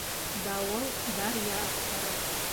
Дауыл даръя аҡтара.